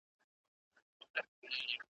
د منصور دین مي منلې او له دار سره مي ژوند دی ,